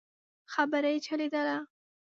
خبره يې چلېدله.